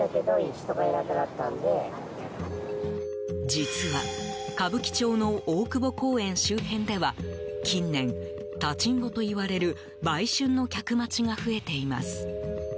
実は、歌舞伎町の大久保公園周辺では近年、立ちんぼといわれる売春の客待ちが増えています。